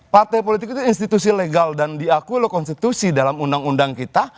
partai politik itu institusi legal dan diakui oleh konstitusi dalam undang undang kita